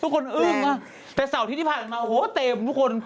ทุกคนอึ้มแต่เสาร์ที่ผ่านออกมาเต็มทุกคน